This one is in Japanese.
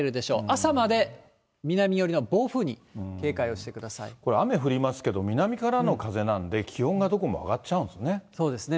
朝まで南寄りの暴風に警戒をしてこれ、雨降りますけど、南からの風なんで、気温がどこも上がっちゃうんですね。